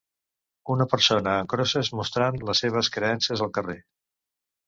Una persona en crosses mostrant les seves creences al carrer